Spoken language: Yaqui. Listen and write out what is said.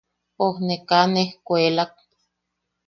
Pojne kaa nejkuelak.